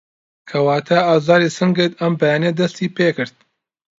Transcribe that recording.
کەواته ئازاری سنگت ئەم بەیانیه دستی پێکرد